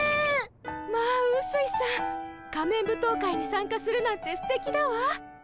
まあうすいさん仮面舞踏会に参加するなんてすてきだわ。